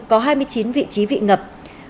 có hai mươi chín vị trí bị ngập